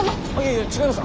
いや違います。